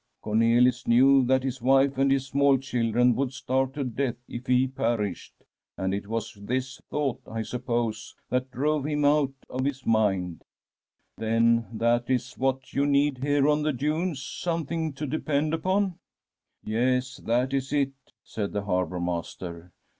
Comelis knew that his wife and his small chil dren would starve to death if he perished; and it was this thought, I suppose, that drove him out of his mind/ ' Then that is what you need here on the dunes — something to depend upon?' * Yes, that is it,' said the harbour master.